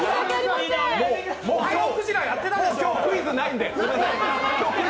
もう今日、クイズないんで。